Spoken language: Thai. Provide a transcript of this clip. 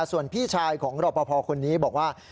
ส่วนพี่ชายของรอปภคนนี้บอกว่า